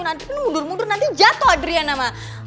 nanti mundur mundur nanti jatuh adriana mah